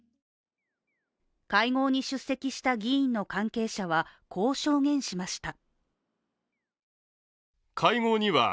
会合に出席した議員の関係者は、こう証言しました。